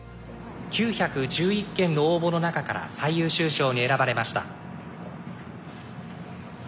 「９１１件の応募の中から最優秀賞に選ばれました」。